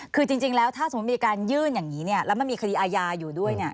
คือจริงแล้วถ้าสมมุติมีการยื่นอย่างนี้แล้วมันมีคดีอาญาอยู่ด้วย